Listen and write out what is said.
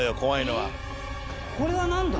これは何だ？